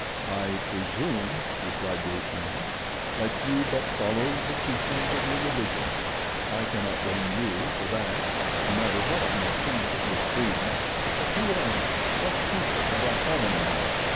"I presume," replied the ape man, "that you but followed the teachings of your religion. I cannot blame YOU for that, no matter what I may think of your creed. But who are you—what people have I fallen among?"